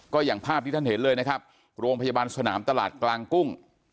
ก็อย่างภาพที่ท่านเห็นเลยนะครับโรงพยาบาลสนามตลาดกลางกุ้ง